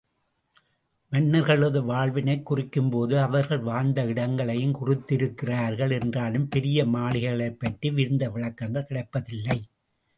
மன்னர்களது வாழ்வினைக் குறிக்கும்போது அவர்கள் வாழ்ந்த இடங்களையும் குறித்திருக்கிறார்கள் என்றாலும், பெரிய மாளிகைகளைப் பற்றி விரிந்த விளக்கங்கள் கிடைப்பதில்லை.